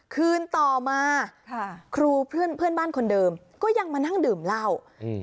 คืนต่อมาค่ะครูเพื่อนเพื่อนบ้านคนเดิมก็ยังมานั่งดื่มเหล้าอืม